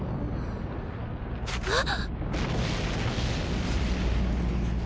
あっ！